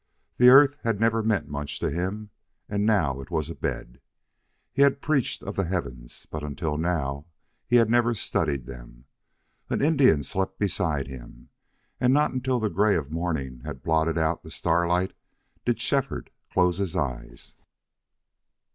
The earth had never meant much to him, and now it was a bed. He had preached of the heavens, but until now had never studied them. An Indian slept beside him. And not until the gray of morning had blotted out the starlight did Shefford close his eyes. ..........